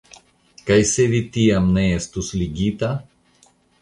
Kaj se vi tiam ne estus ligita?